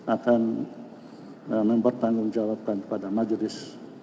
akan mempertanggungjawabkan pada majelis